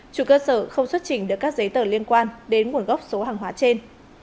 chủ cơ sở không xuất trình được các giấy tờ liên quan đến nguồn gốc số hàng hóa trên